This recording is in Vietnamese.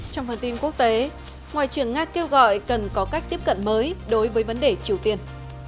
trong phần tin quốc tế ngoại trưởng nga kêu gọi cần có cách tiếp cận mới đối với vấn đề triều tiên